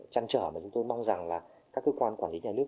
chăn trở mà chúng tôi mong rằng là các cơ quan quản lý nhà nước